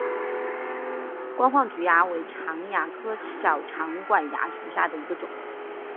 光褐菊蚜为常蚜科小长管蚜属下的一个种。